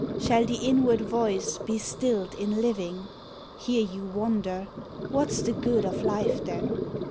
Shall the inward voice be stilled in living ?'' Hear you wonder, " What's the good of life, then?